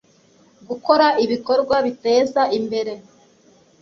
Gukora ibikorwa biteza imbere